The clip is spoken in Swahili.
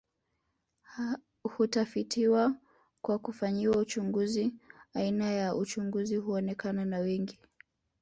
Hutafitiwa kwa kufanyiwa uchunguzi aina hii ya uchunguzi huonekana na wengi